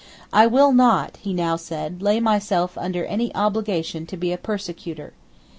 "I will not," he now said, "lay myself under any obligation to be a persecutor."